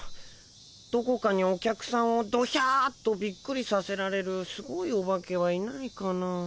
どこかにお客さんをどひゃっとビックリさせられるすごいオバケはいないかなあ。